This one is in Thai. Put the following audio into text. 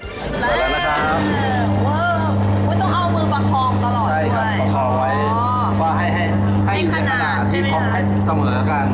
เริ่มแล้วนะครับ